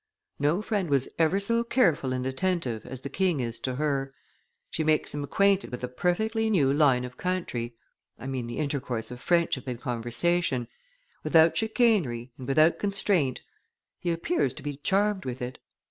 No friend was ever so careful and attentive as the king is to her; she makes him acquainted with a perfectly new line of country I mean the intercourse of friendship and conversation, without chicanery and without constraint; he appears to be charmed with it."